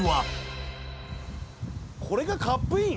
これがカップイン！？